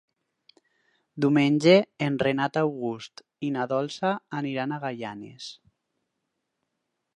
Diumenge en Renat August i na Dolça aniran a Gaianes.